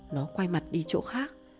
nó quay mặt đi chỗ khác